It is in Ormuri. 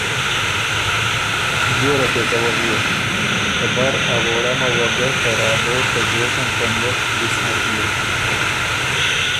بيې ره پېڅه وغیوک، ته بر ا ووړمه وه ګۀ ته رابوت ته ځوڅن په نئت دِست نر بیوک۔